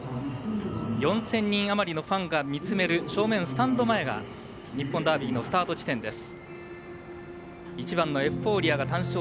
４０００人あまりのファンが見つめる正面スタンド前が日本ダービーのスタート地点です。